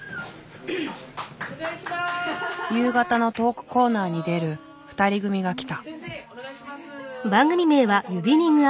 夕方のトークコーナーに出る２人組が来た。